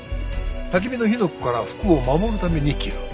焚き火の火の粉から服を守るために着る。